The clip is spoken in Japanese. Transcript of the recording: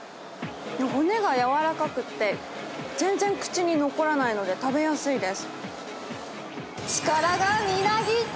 骨が柔らかくて、全然口に残らないので、食べやすいです。